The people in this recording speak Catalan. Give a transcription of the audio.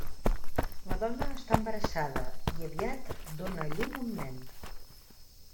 La dona està embarassada, i aviat dóna a llum un nen.